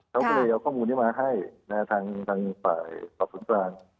เขาก็เลยเอาข้อมูลนี้มาให้ทางฝ่ายสอบสวนกลาง